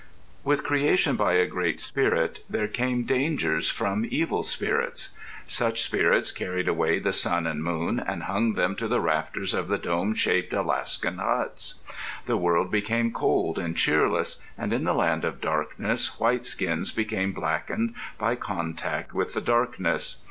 With creation by a Great Spirit, there came dangers from evil spirits. Such spirits carried away the sun and moon, and hung them to the rafters of the dome shaped Alaskan huts. The world became cold and cheerless, and in the Land of Darkness white skins became blackened by contact with the darkness.